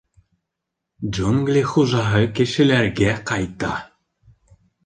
— Джунгли хужаһы кешеләргә ҡайта!